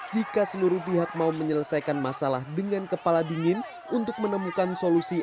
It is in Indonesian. jika seluruh pihak mau menyelesaikan masalah dengan kepala dingin untuk menemukan solusi